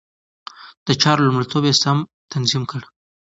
د چارو لومړيتوب يې سم تنظيم کړ.